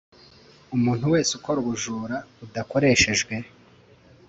Umuntu wese ukora ubujura budakoreshejwe